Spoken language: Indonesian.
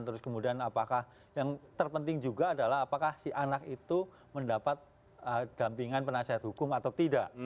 terus kemudian apakah yang terpenting juga adalah apakah si anak itu mendapat dampingan penasihat hukum atau tidak